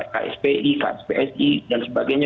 kspi kspsi dan sebagainya